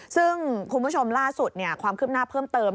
ซึ่งคุณผู้ชมล่าสุดความคืบหน้าเพิ่มเติม